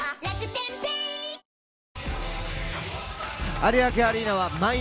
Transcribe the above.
有明アリーナは満員。